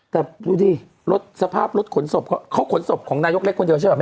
แต่สภาพรถขนศพหลักขนศพของนายกเล็กคนเดียวใช่ไหม